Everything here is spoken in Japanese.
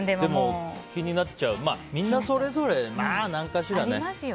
気になっちゃう、みんなそれぞれ何かしらね。